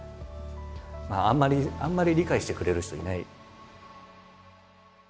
あんまり理解してくれる人いない。